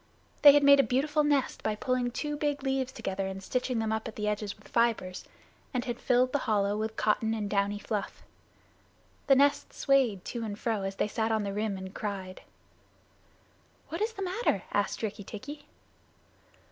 They had made a beautiful nest by pulling two big leaves together and stitching them up the edges with fibers, and had filled the hollow with cotton and downy fluff. The nest swayed to and fro, as they sat on the rim and cried. "What is the matter?" asked Rikki tikki.